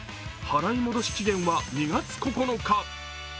払い戻し期限は２月９日。